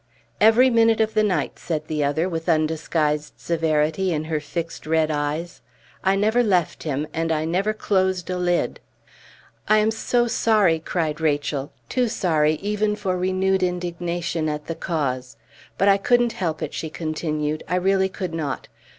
"Every minute of the night," said the other, with undisguised severity in her fixed red eyes. "I never left him, and I never closed a lid." "I am so sorry!" cried Rachel, too sorry even for renewed indignation at the cause. "But I couldn't help it," she continued, "I really could not.